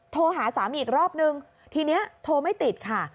โทรหาสามีอีกรอบนึงทีนี้โทรไม่ติดค่ะ